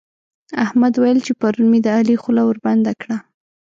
احمد ويل چې پرون مې د علي خوله وربنده کړه.